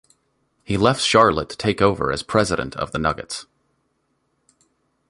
He left Charlotte to take over as president of the Nuggets.